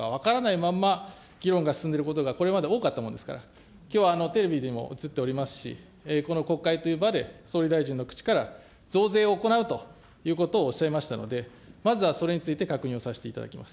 まんま議論が進んでることがこれまで多かったものですから、きょうはテレビでも映っておりますし、この国会という場で、総理大臣の口から増税を行うということをおっしゃいましたので、まずはそれについて確認をさせていただきます。